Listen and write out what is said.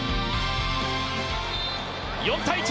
４対１